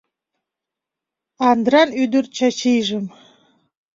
Андран ӱдыр Чачийжым